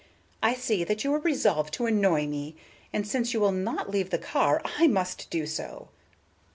I see that you are resolved to annoy me, and since you will not leave the car, I must do so."